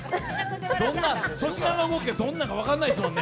粗品の動きがどんなか分からないですもんね。